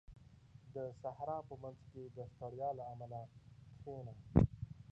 • د صحرا په منځ کې د ستړیا له امله کښېنه.